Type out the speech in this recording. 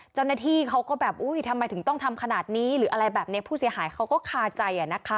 เจ้าหน้าที่เขาก็แบบอุ้ยทำไมถึงต้องทำขนาดนี้หรืออะไรแบบนี้ผู้เสียหายเขาก็คาใจ